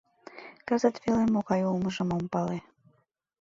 Кызыт веле могай улмыжым ом пале.